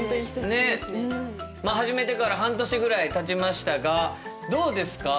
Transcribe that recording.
始めてから半年ぐらいたちましたがどうですか？